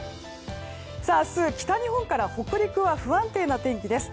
明日、北日本から北陸は不安定な天気です。